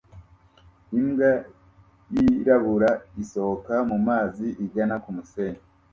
Imbwa yirabura isohoka mumazi igana kumusenyi